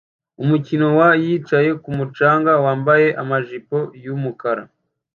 Umukino wa yicaye kumu canga wambaye amajipo yumukara